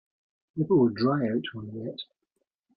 Paper will dry out when wet.